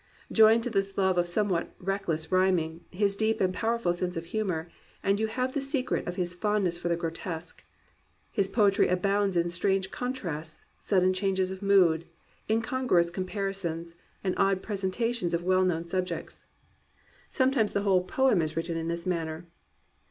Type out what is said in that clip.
Join to this love of somewhat reckless rhyming, his deep and powerful sense of humour, and you have the secret of his fondness for the grotesque. His poetry abounds in strange contrasts, sudden changes of mood, incongruous comparisons, and odd presentations of well known subjects. Some * Memoir of Alfred Lord Tennyson, vol. II, p. 230. ^66 GLORY OF THE IMPERFECT" times the whole poem is written in this manner.